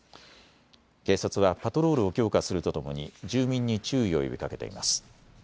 警察はパトロールを強化するとともに住民に注意を呼びかけています。